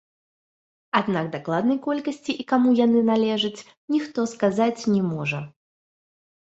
Аднак дакладнай колькасці і каму яны належаць ніхто сказаць не можа.